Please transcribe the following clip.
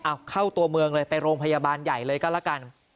เอาเข้าตัวเมืองเลยไปโรงพยาบาลใหญ่เลยก็แล้วกัน